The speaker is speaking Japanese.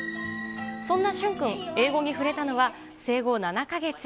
そんな駿君、英語に触れたのは、生後７か月。